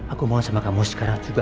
aku mau sama kamu sekarang juga